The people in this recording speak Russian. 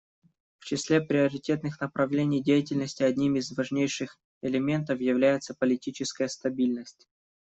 В числе приоритетных направлений деятельности одним из важнейших элементов является политическая стабильность.